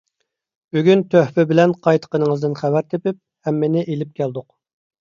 بۈگۈن تۆھپە بىلەن قايتقىنىڭىزدىن خەۋەر تېپىپ ھەممىنى ئېلىپ كەلدۇق.